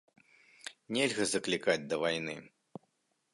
Нельга заклікаць да вайны.